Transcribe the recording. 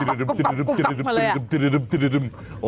อ่าควบกุบมาเลยอ่ะ